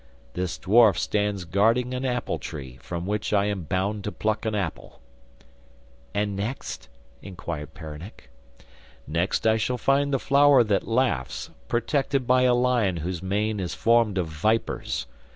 This dwarf stands guarding an apple tree, from which I am bound to pluck an apple.' 'And next?' inquired Peronnik. 'Next I shall find the flower that laughs, protected by a lion whose mane is formed of vipers.